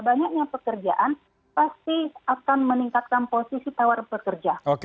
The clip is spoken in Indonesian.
banyaknya pekerjaan pasti akan meningkatkan posisi tawar pekerja